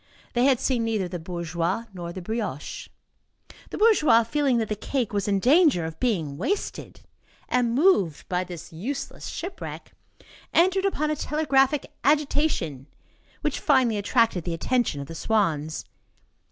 They had seen neither the bourgeois nor the brioche. The bourgeois, feeling that the cake was in danger of being wasted, and moved by this useless shipwreck, entered upon a telegraphic agitation, which finally attracted the attention of the swans.